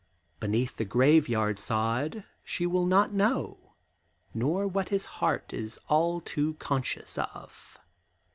Beneath the graveyard sod she will not know, Nor what his heart is all too conscious of!